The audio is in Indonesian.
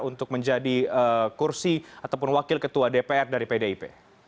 untuk menjadi kursi ataupun wakil ketua dpr dari pdip